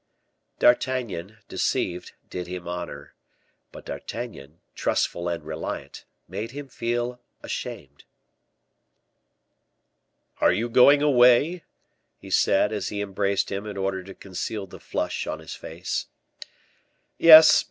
D'Artagnan, deceived, did him honor; but D'Artagnan, trustful and reliant, made him feel ashamed. "Are you going away?" he said, as he embraced him, in order to conceal the flush on his face. "Yes.